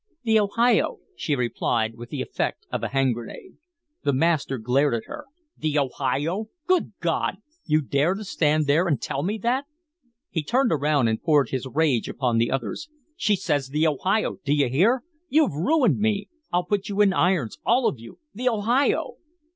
"The Ohio," she replied, with the effect of a hand grenade. The master glared at her. "The Ohio! Good God! You DARE to stand there and tell me that?" He turned and poured his rage upon the others. "She says the Ohio, d'ye hear? You've ruined me! I'll put you in irons all of you. The Ohio!"